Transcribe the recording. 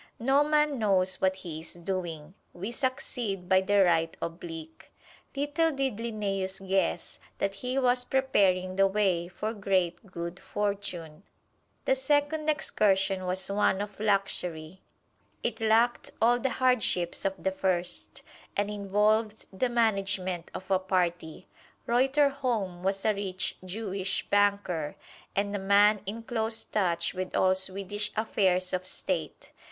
No man knows what he is doing: we succeed by the right oblique. Little did Linnæus guess that he was preparing the way for great good fortune. The second excursion was one of luxury. It lacked all the hardships of the first, and involved the management of a party. Reuterholm was a rich Jewish banker, and a man in close touch with all Swedish affairs of State.